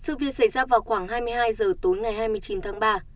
sự việc xảy ra vào khoảng hai mươi hai h tối ngày hai mươi chín tháng ba